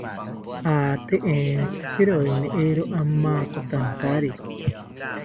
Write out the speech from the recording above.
Ate entzikiroeni, eero amakotantari